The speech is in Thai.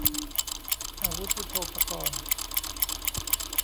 อาวุธยุทโธปกรณ์